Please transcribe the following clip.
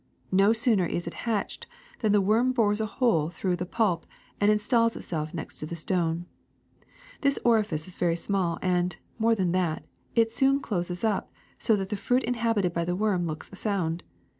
No sooner is it hatched than the worm bores a hole through the pulp and installs itself next to the stone. This orifice is very small and, more than that, it soon closes up, so that the fruit inhabited by the worm looks sound.